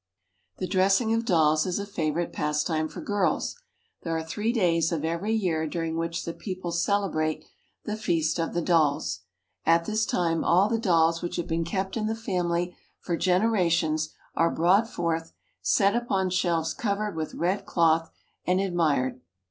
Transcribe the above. The dressing of dolls is a favorite pastime for girls. There are three days of every year during which the people celebrate the Feast of the Dolls. At this time all the dolls which have been kept in the family for generations are "— selling nothing but toys —" brought forth, set upon shelves covered with red cloth, and admired.